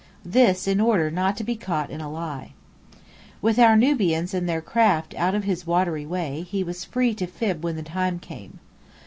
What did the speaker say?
This in order not to be caught in a lie. With our Nubians and their craft out of his watery way, he was free to fib when the time came.